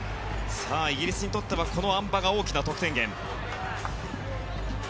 イギリスにとってはこのあん馬が大きな得点源。